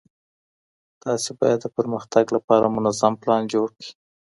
تاسي بايد د پرمختګ لپاره منظم پلان جوړ کړئ.